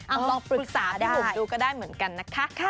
เอาลองปรึกษาพี่บุ๋มดูก็ได้เหมือนกันนะคะ